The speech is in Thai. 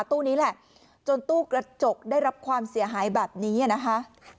ตู้นี้แหละจนตู้กระจกได้รับความเสียหายแบบนี้นะคะ